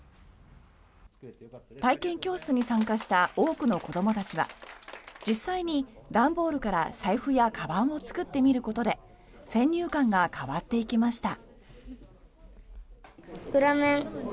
体験教室に参加した多くの子どもたちは実際に段ボールから財布やかばんを作ってみることで先入観が変わっていきました。